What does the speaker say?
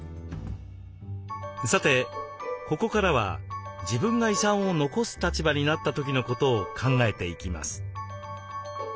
さてここからは自分が遺産を残す立場になった時のことを考えていきます。